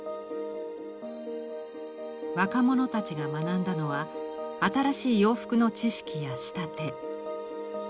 若者たちが学んだのは新しい洋服の知識や仕立て。